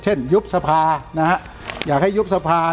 เช่นยุบสภาอยากให้ยุบสภา